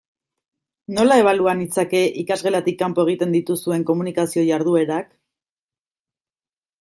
Nola ebalua nitzake ikasgelatik kanpo egiten dituzuen komunikazio jarduerak?